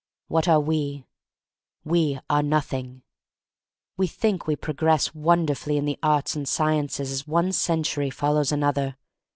' What are we? We are nothing. We think we progress wonderfully in the arts and sciences as one century follows another.